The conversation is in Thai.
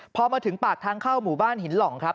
พอมาถึงปากทางเข้าหมู่บ้านหินหล่องครับ